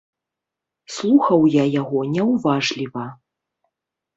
Слухаў я яго няўважліва.